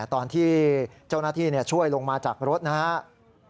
ตอนที่เจ้าหน้าที่ช่วยลงมาจากรถนะครับ